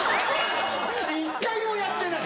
１回もやってない！